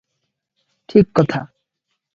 ଠିକ କଥା ।